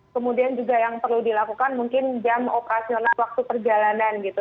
kemudian juga yang perlu dilakukan mungkin jam operasional waktu perjalanan gitu